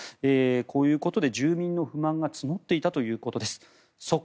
こういうことで住民の不満が募っていたということです。